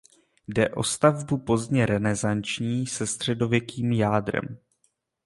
Jde o stavbu pozdně renesanční se středověkým jádrem.